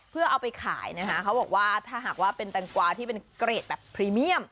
เพื่อเอาไปขายนะคะเขาบอกว่าถ้าหากว่าเป็นแตงกวาที่เป็นเกรดแบบพรีเมียม